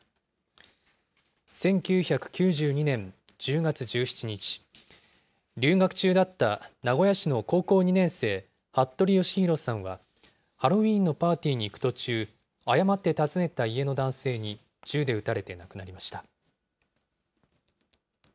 １９９２年１０月１７日、留学中だった名古屋市の高校２年生、服部剛丈さんは、ハロウィーンのパーティーに行く途中、誤って訪ねた家の男性に銃で撃たれて亡くなりました。